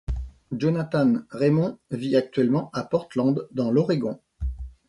Jonathan Raymond vit actuellement à Portland, dans l'Oregon.